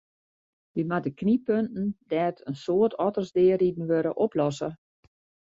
We moatte knyppunten dêr't in soad otters deariden wurde, oplosse.